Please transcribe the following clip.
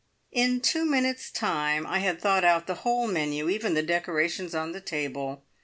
In two minutes' time I had thought out the whole menu, even the decorations on the table.